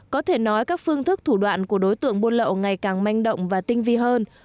có thể nói các phương thức thủ đoạn của đối tượng buôn lậu ngày càng manh động và tinh vi hơn